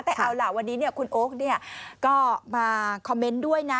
แต่เอาล่ะวันนี้คุณโอ๊คก็มาคอมเมนต์ด้วยนะ